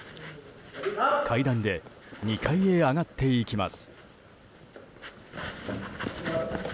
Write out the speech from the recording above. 階段で２階へ上がっていきます。